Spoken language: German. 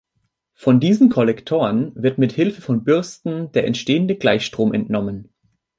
Von diesen Kollektoren wird mit Hilfe von Bürsten der entstehende Gleichstrom entnommen.